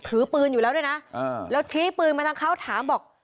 ถือปืนอยู่แล้วด้วยนะแล้วชี้ปืนมาทางเขาถามบอก